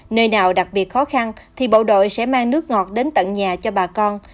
nơi nào đặc biệt khó khăn thì bộ đội sẽ mang nước ngọt đến tận nhà cho bà con